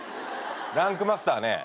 『ランクマスター』ね